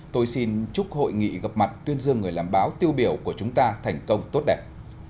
tôi xin chúc hội nghị gặp mặt tuyên dương người làm báo tiêu biểu của chúng ta thành công tốt đẹp